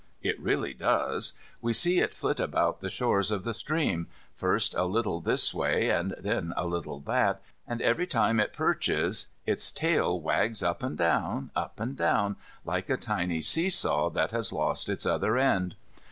It really does. We see it flit about the shores of the stream, first a little this way, and then a little that, and every time it perches its tail wags up and down, up and down, like a tiny see saw that has lost its other end.